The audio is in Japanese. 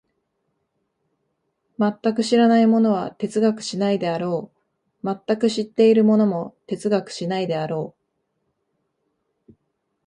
全く知らない者は哲学しないであろう、全く知っている者も哲学しないであろう。